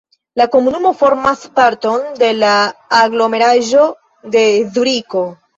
La komunumo formas parton de la aglomeraĵo de Zuriko.